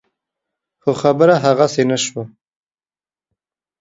خو خبره هغسې نه شوه.